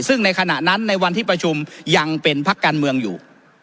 ซึ่งในขณะนั้นในวันที่ประชุมยังเป็นพักการเมืองอยู่